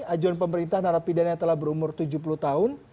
ajuan pemerintah narapidana yang telah berumur tujuh puluh tahun